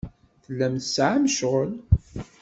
Tellam tesɛam ccɣel.